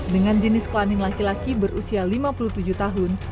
dengan jenis kelamin laki laki berusia lima puluh tujuh tahun